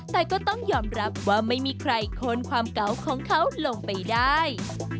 แต่ก็ต้องยอมรับว่าไม่มีใครโคนความเก่าของเขาลงไปได้